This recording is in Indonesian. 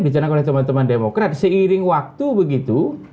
dicanangkan oleh teman teman demokrat seiring waktu begitu